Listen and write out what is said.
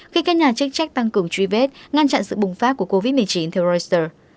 khi các nhà chức trách tăng cường truy vết ngăn chặn sự bùng phát của covid một mươi chín theo reuters